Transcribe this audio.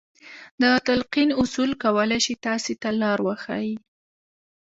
د تلقين اصل کولای شي تاسې ته لار وښيي.